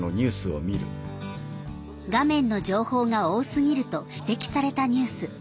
画面の情報が多すぎると指摘されたニュース。